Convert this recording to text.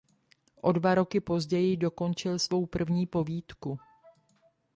O dva roky později dokončil svou první povídku.